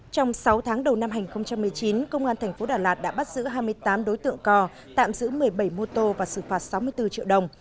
trong sáu tháng đầu năm hai nghìn một mươi chín công an thành phố đà lạt đã bắt giữ hai mươi tám đối tượng cò tạm giữ một mươi bảy mô tô và xử phạt sáu mươi bốn triệu đồng